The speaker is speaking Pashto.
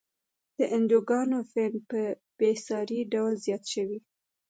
د انجوګانو فنډ په بیسارې ډول زیات شوی.